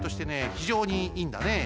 ひじょうにいいんだね。